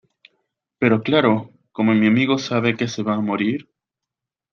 pero claro, como mi amigo sabe que se va a morir...